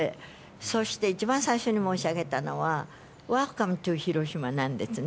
そして、一番最初に申し上げたのは、ウェルカム・トゥ・ヒロシマなんですね。